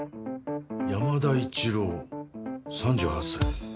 山田一郎３８歳。